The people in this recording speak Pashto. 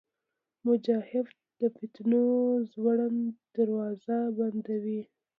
مجاهد د فتنو زوړند دروازې بندوي.